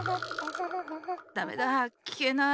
ダメだ。きけない。